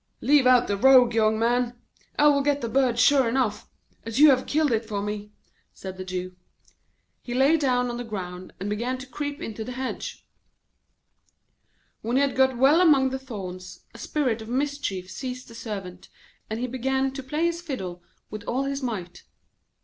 'Leave out the "rogue," young man. I will get the bird sure enough, as you have killed it for me,' said the Jew. He lay down on the ground and began to creep into the hedge. [Illustration: The Jew was forced to spring up and begin to dance.] When he had got well among the thorns, a spirit of mischief seized the Servant, and he began to play his fiddle with all his might.